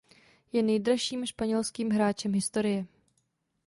Je nejdražším španělským hráčem historie.